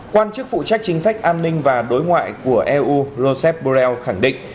quan chức phụ trách chính sách an ninh và đối ngoại của eu rosep borrell khẳng định